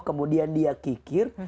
kemudian dia kikir